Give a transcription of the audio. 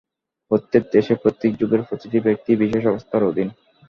প্রত্যেক দেশে প্রত্যেক যুগের প্রতিটি ব্যক্তি বিশেষ অবস্থার অধীন।